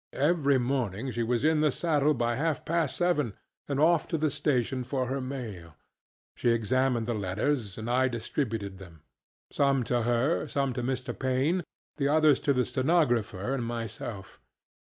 Every morning she was in the saddle by half past seven, and off to the station for her mail. She examined the letters and I distributed them: some to her, some to Mr. Paine, the others to the stenographer and myself.